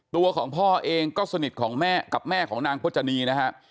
ตัวของพ่อเองก็สนิทของแม่กับแม่ของนางพจนีนะฮะ